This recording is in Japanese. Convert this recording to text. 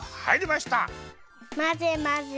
まぜまぜ！